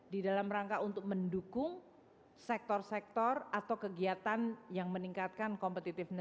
di dalam rangka untuk mendukung sektor sektor atau kegiatan yang meningkatkan kompetitifitas